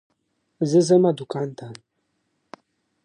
دا ښارونه له افغان کلتور سره تړاو لري.